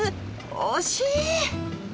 惜しい。